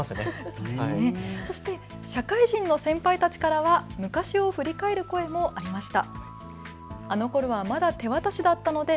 そして社会人の先輩たちからは昔を振り返る声もありました。